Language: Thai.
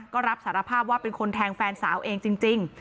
ก็รับสารภาพว่าเป็นคนแทงแฟนสาวเองจริง